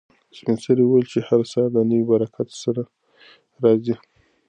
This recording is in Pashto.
سپین سرې وویل چې هر سهار د نوي برکت سره راځي.